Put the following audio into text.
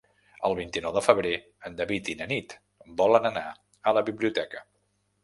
El vint-i-nou de febrer en David i na Nit volen anar a la biblioteca.